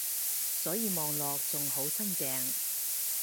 所以望落仲好新淨